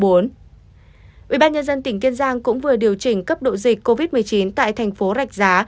ubnd tỉnh kiên giang cũng vừa điều chỉnh cấp độ dịch covid một mươi chín tại thành phố rạch giá